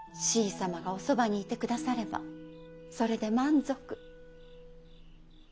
しい様がおそばにいてくださればそれで満足。